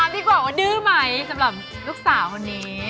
ดีกว่าว่าดื้อไหมสำหรับลูกสาวคนนี้